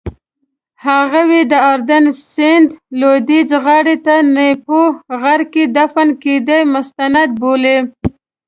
هغوی د اردن سیند لویدیځې غاړې ته نیپو غره کې دفن کېدل مستند بولي.